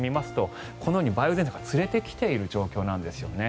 このように梅雨前線が連れてきている状況なんです。